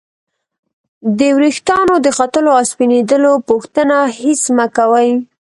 د ورېښتانو د ختلو او سپینیدلو پوښتنه هېڅ مه کوئ!